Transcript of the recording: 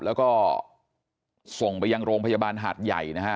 แล้วก็ส่งไปยังโรงพยาบาลหาดใหญ่นะฮะ